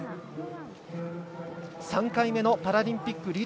３回目のパラリンピック。